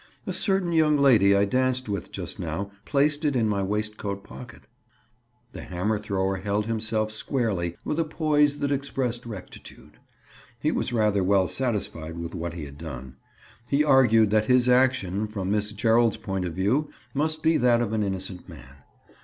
A certain young lady I danced with just now placed it in my waistcoat pocket." The hammer thrower held himself squarely, with a poise that expressed rectitude. He was rather well satisfied with what he had done. He argued that his action, from Miss Gerald's point of view, must be that of an innocent man.